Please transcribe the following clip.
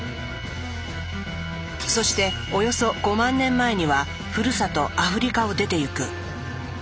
そしておよそ５万年前にはふるさとアフリカを出ていく。